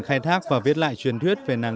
khai thác và viết lại truyền thuyết về nàng